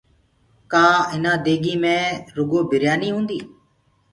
ڪآ آنآ ديگي مي رگو بريآني هوندي